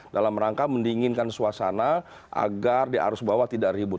dalam rangka mendinginkan suasana agar di arus bawah tidak ribut